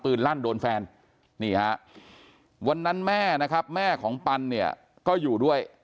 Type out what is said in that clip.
ลั่นโดนแฟนนี่ฮะวันนั้นแม่นะครับแม่ของปันเนี่ยก็อยู่ด้วย